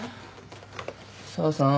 紗和さん。